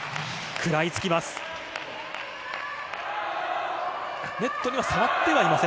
食らいつきます。